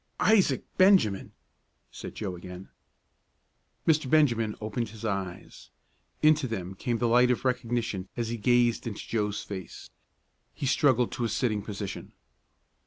"Isaac Benjamin!" said Joe again. Mr. Benjamin opened his eyes. Into them came the light of recognition as he gazed into Joe's face. He struggled to a sitting position.